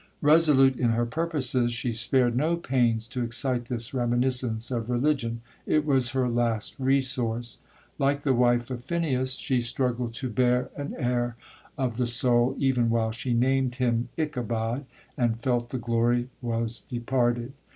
'Resolute in her purposes, she spared no pains to excite this reminiscence of religion,—it was her last resource. Like the wife of Phineas, she struggled to bear an heir of the soul, even while she named him Ichabod,—and felt the glory was departed.